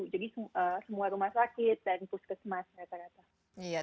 jadi semua rumah sakit dan puskesmas rata rata